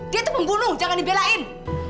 dia itu pembunuh jangan dibelain